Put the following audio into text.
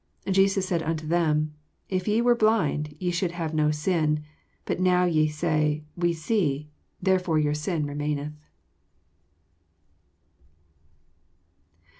41 Jesus said unto them, If ye were blind, ye should have no sin: but now ye say. We see; therefore your sin remaineth.